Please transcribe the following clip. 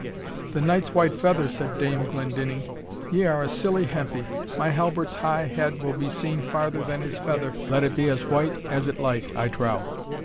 "The knight's white feather!" said Dame Glendinning; "ye are a silly hempie my Halbert's high head will be seen farther than his feather, let it be as white as it like, I trow."